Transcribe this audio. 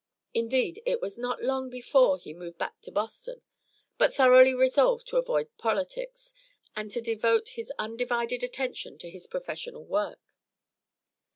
Indeed, it was not long before he moved back to Boston, but thoroughly resolved to avoid politics, and to devote his undivided attention to his professional work.